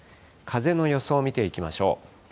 風の予想を見ていきましょう。